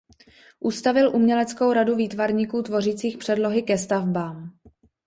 Ustavil uměleckou radu výtvarníků tvořících předlohy ke stavbám.